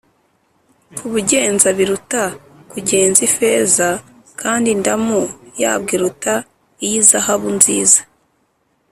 kubugenza biruta kugenza ifeza, kandi indamu yabwo iruta iy’izahabu nziza